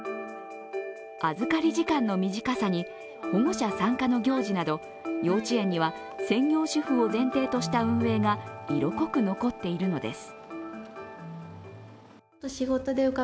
預かり時間の短さに保護者参加の行事など幼稚園には専業主婦を前提とした運営が色濃く残っているのです。